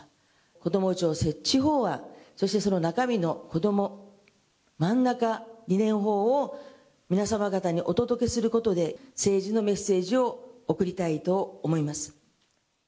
こども庁設置法案、そしてその中身のこども真ん中理念法を、皆様方にお届けすることで、政治のメッセージを送りたいと思います。